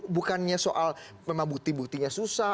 bukannya soal memang bukti buktinya susah